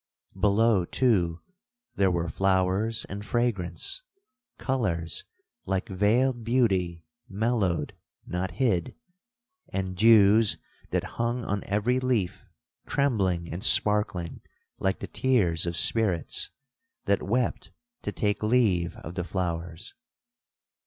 Below, too, there were flowers and fragrance; colours, like veiled beauty, mellowed, not hid; and dews that hung on every leaf, trembling and sparkling like the tears of spirits, that wept to take leave of the flowers.